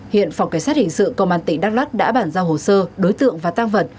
hiện phòng cảnh sát hình sự công an tỉnh đắk lắc đã bản giao hồ sơ đối tượng và tăng vật